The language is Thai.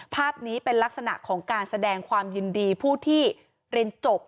ภาพนี้เป็นลักษณะของการแสดงความยินดีผู้ที่เรียนจบ